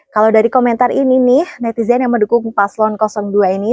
kalau dari komentar ini nih netizen yang mendukung paslon dua ini